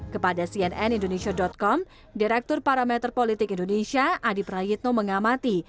kepada cnn indonesia com direktur parameter politik indonesia adi prayitno mengamati